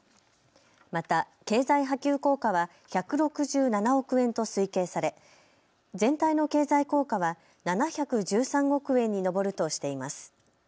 また経済波及効果は１６７億円と推計され全体の経済効果は７１３億円に上るとしています。